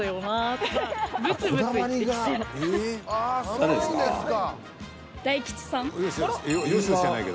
そうですか。